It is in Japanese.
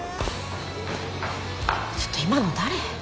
ちょっと今の誰？